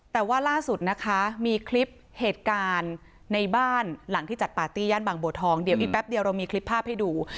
แต่ว่าล่าสุดนะคะมีคลิปเหตุการณ์ในบ้านหลังที่จัดปาร์ตี้ย่านบางบัวทองเดี๋ยวอีกแป๊บเดียวเรามีคลิปภาพให้ดู